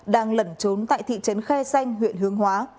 đang lẩn trốn tại thị trấn khe xanh huyện hướng hóa